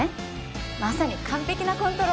まさに完璧なコントロール！